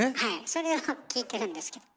それを聞いてるんですけど。